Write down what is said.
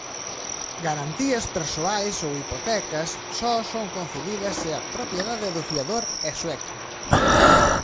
Garantías persoais ou hipotecas só son concedidas se a propiedade do fiador é sueca.